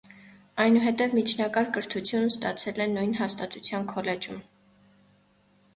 Այնուհետև միջնակարգ կրթությունն ստացել է նույն հաստատության քոլեջում։